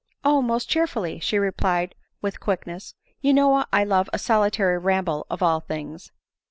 " Oh ! most cheerfully," she repBed with quickness :" you know I love a solitary ramble of all things."